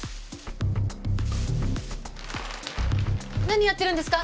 何やってるんですか？